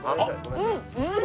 うん！